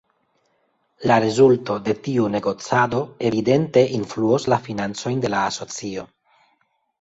La rezulto de tiu negocado evidente influos la financojn de la asocio.